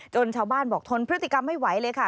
ชาวบ้านบอกทนพฤติกรรมไม่ไหวเลยค่ะ